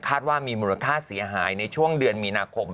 ว่ามีมูลค่าเสียหายในช่วงเดือนมีนาคม